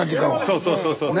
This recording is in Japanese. そうそうそうそうそう。